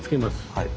はい。